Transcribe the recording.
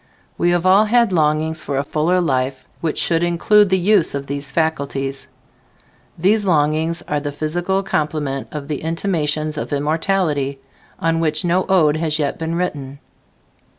We have all had longings for a fuller life which should include the use of these faculties. These longings are the physical complement of the "Intimations of Immortality," on which no ode has yet been written.